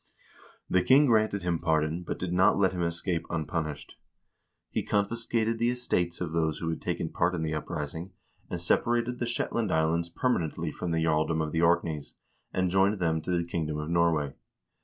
The king granted him pardon, but did not let him escape unpunished. He confiscated the estates of those who had taken part in the uprising, and separated KING SVERRE AND POPE INNOCENT III 397 the Shetland Islands permanently from the jarldom of the Orkneys, and joined them to the kingdom of Norway.